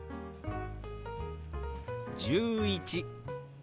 「１１」。